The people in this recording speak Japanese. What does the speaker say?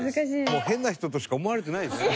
もう変な人としか思われてないですよ。